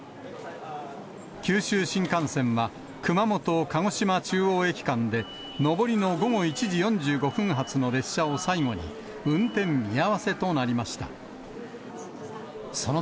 九州新幹線は、熊本・鹿児島中央駅間で上りの午後１時４５分発の列車を最後に、運転見合わせとなりました。